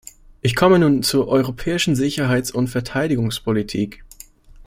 Ich komme nun zur europäischen Sicherheits- und Verteidigungspolitik.